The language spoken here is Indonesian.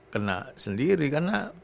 kena sendiri karena